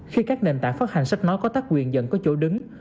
khi các nền tảng phát hành sách nó có tác quyền dẫn có chỗ đứng